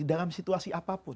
iya dalam situasi apapun